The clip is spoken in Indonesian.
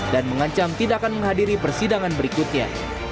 dan mengancam tidak akan menghadiri persidangan berikutnya